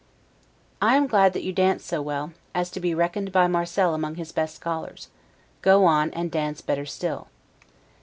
I am glad that you dance so well, as to be reckoned by Marcel among his best scholars; go on, and dance better still.